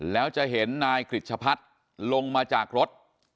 แล้วจะเห็นนายกริจชะพัฒน์ลงมาจากรถ